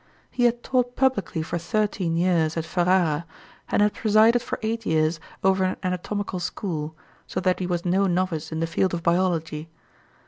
He had taught publicly for thirteen years at Ferrara, and had presided for eight years over an anatomical school, so that he was no novice in the field of biology.